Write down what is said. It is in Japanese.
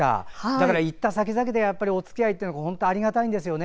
だから行ったさきざきでおつきあいというのが本当ありがたいんですよね